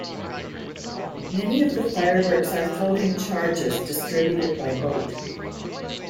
Many of the fireworks are floating charges distributed by boat.